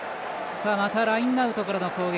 またラインアウトからの攻撃。